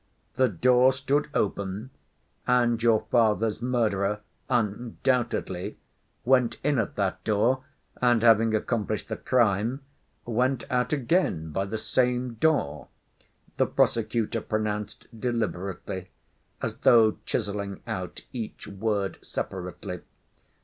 "The door stood open, and your father's murderer undoubtedly went in at that door, and, having accomplished the crime, went out again by the same door," the prosecutor pronounced deliberately, as though chiseling out each word separately.